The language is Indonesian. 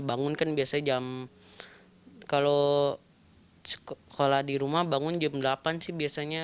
bangun kan biasanya jam kalau sekolah di rumah bangun jam delapan sih biasanya